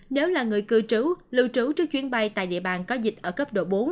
nếu là người cư trú lưu trú trước chuyến bay tại địa bàn có dịch ở cấp độ bốn